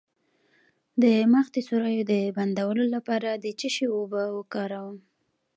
د مخ د سوریو د بندولو لپاره د څه شي اوبه وکاروم؟